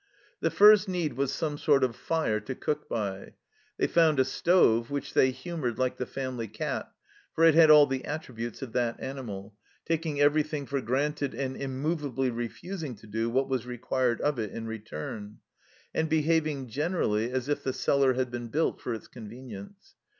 The first need was some sort of a fire to cook by. They found a stove, which they humoured like the family cat, for it had all the attributes of that animal, taking everything for granted and immovably re fusing to do what was required of it in return, and behaving generally as if the cellar had been built for its convenience.